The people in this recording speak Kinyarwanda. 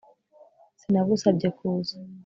Sinagusabye kuza